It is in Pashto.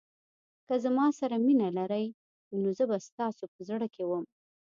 که زما سره مینه لرئ نو زه به ستاسو په زړه کې وم.